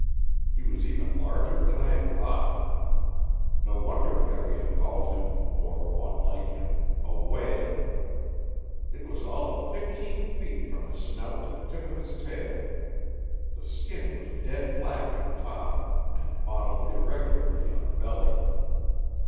He was even larger than I had thought. No wonder Harry had called him or one like him a whale. It was all of fifteen feet from his snout to the tip of his tail. The skin was dead black on top and mottled irregularly on the belly.